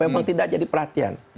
memang tidak jadi perhatian